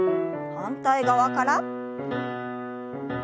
反対側から。